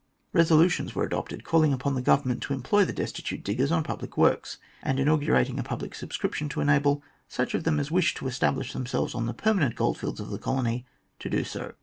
Eesolutions were adopted, calling upon the Government to employ the destitute diggers on public works, and inaugurating a public subscription to enable such of them as wished to establish themselves on the permanent goldfields of the colony to do so.